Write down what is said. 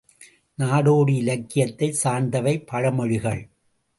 நாடோடி இலக்கியத்தைச் சார்ந்தவை பழமொழிகள்.